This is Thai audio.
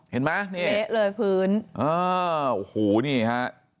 เห็นปะ